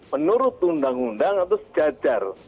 menurut undang undang atau sejajar